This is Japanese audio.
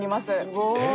すごい！